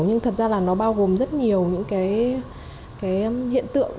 nhưng thật ra là nó bao gồm rất nhiều những cái hiện tượng